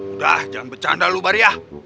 udah jangan bercanda lu baryah